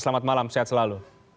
selamat malam sehat selalu